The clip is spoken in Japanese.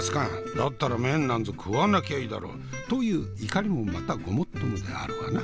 だったら麺なんぞ食わなきゃいいだろ！」という怒りもまたごもっともであるわな。